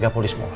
iya polis mau